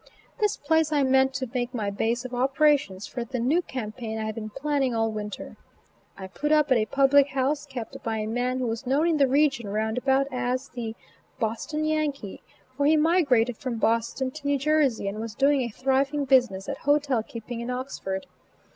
This place I meant to make my base of operations for the new campaign I had been planning all winter. I "put up" at a public house kept by a man who was known in the region round about as the "Boston Yankee," for he migrated from Boston to New Jersey and was doing a thriving business at hotel keeping in Oxford.